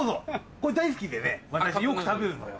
これ大好きでねよく食べるのよ